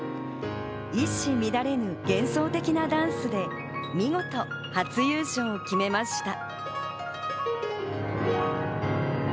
一糸乱れぬ幻想的なダンスで見事、初優勝を決めました。